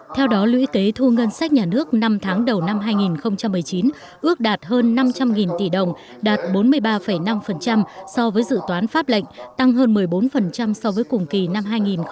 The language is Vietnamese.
theo đó lũy kế thu ngân sách nhà nước năm tháng đầu năm hai nghìn một mươi chín ước đạt hơn năm trăm linh tỷ đồng đạt bốn mươi ba năm so với dự toán pháp lệnh tăng hơn một mươi bốn so với cùng kỳ năm hai nghìn một mươi tám